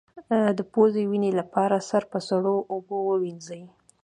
د پوزې وینې لپاره سر په سړو اوبو ووینځئ